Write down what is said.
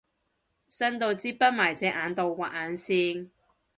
伸到支筆埋隻眼度畫眼線